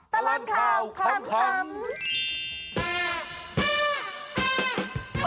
ตลอดข่าวขำ